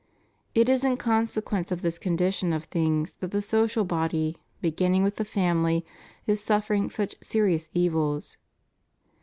It is in consequence of this condition of things that the social body, beginning with the family, is suffering such serious evUs.